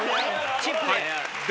チップで。